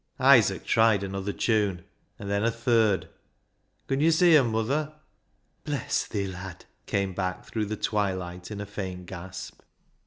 " Isaac tried another tune, and then a third. " Con yo' see 'em, muther ?"" Bless thi, lad !" came back through the twilight in a faint gasp.